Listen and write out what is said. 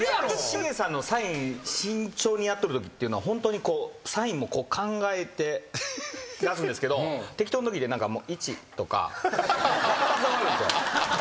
繁さんのサイン慎重にやっとるときっていうのは本当にこうサインも考えて出すんですけど適当なときって１とか適当になるんですよ。